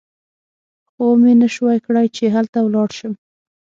خو ومې نه شوای کړای چې هلته ولاړ شم.